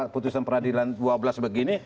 putusan peradilan dua belas begini